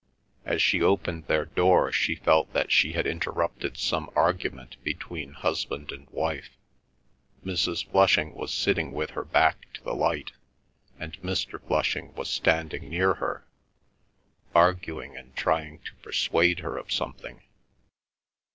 As she opened their door she felt that she had interrupted some argument between husband and wife. Mrs. Flushing was sitting with her back to the light, and Mr. Flushing was standing near her, arguing and trying to persuade her of something.